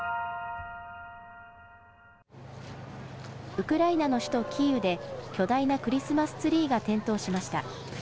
ウクライナの首都キーウで、巨大なクリスマスツリーが点灯しました。